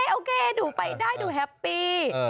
โอเคดูไปได้ดูแฮปปี้